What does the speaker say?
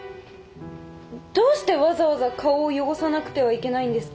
どうしてわざわざ顔を汚さなくてはいけないんですか？